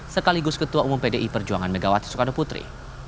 sekaligus ketua umum pdi perjuangan megawati soekarno putri